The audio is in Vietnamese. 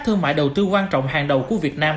thương mại đầu tư quan trọng hàng đầu của việt nam